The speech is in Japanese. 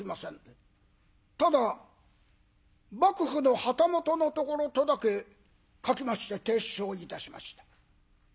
ただ幕府の旗本のところとだけ書きまして提出をいたしました。